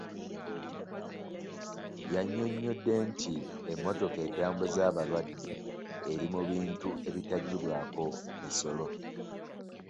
Yannyonnyodde nti emmotoka etambuza abalwadde eri mu bintu ebitaggyibwako misolo.